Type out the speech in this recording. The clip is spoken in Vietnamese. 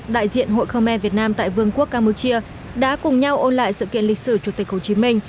đại diện hội khơ me việt nam tại vương quốc campuchia đã cùng nhau ôn lại sự kiện lịch sử chủ tịch hồ chí minh